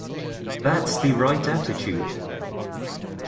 That's the right attitude.